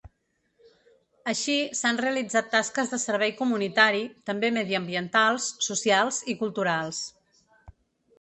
Així, s’han realitzat tasques de servei comunitari, també mediambientals, socials i culturals.